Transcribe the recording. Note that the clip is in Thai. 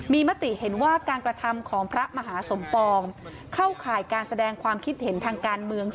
มีมติเห็นว่าการกระทำของพระมหาสมปองเข้าข่ายการแสดงความคิดเห็นทางการเมือง